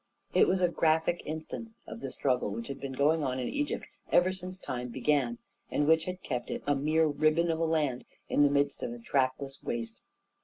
It was a graphic instance of the struggle which had been going on in Egypt ever since time began, and which had kept it a mere ribbon of a land in the midst of a trackless waste.